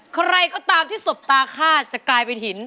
ใครก็ตามที่สบตาฆ่าจะกลายเป็นหิน